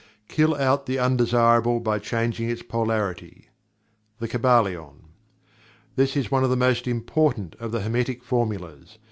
Kill out the undesirable by changing its polarity." The Kybalion. This is one of the most important of the Hermetic Formulas.